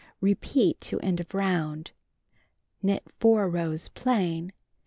Repeat to end of round. Knit 4 rows plain.